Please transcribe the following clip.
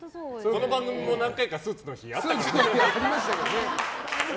この番組も何回かスーツの時あったけどね。